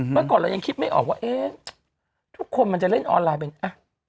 เมื่อก่อนเรายังคิดไม่ออกว่าเอ๊ะทุกคนมันจะเล่นออนไลน์เป็นอ่ะ